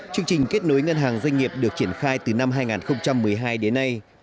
chương trình kết nối ngân hàng doanh nghiệp được triển khai từ năm hai nghìn một mươi hai đến nay